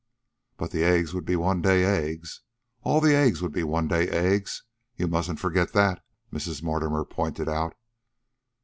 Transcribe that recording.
"But the eggs would be one day eggs, all the eggs would be one day eggs, you mustn't forget that," Mrs. Mortimer pointed out.